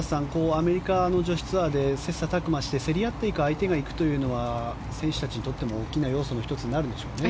アメリカの女子ツアーで切磋琢磨して競り合っていく相手がいるというのは選手たちにとっても大きな要素の１つになりますね。